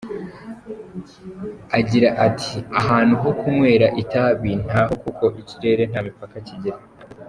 Agira ati “Ahantu ho kunywera itabi ntaho kuko ikirere nta mipaka kigira.